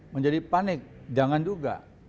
menjadi panik jangan juga